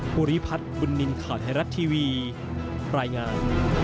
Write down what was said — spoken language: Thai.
ภูริพัฒน์บุญนินทร์ข่าวไทยรัฐทีวีรายงาน